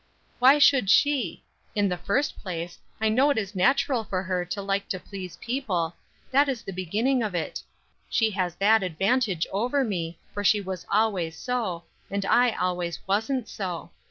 Why should she? In the first place, I know it is natural for her to like to please people; that is the beginning of it; she has that advantage over me, for she was always so, and I always wasn't so.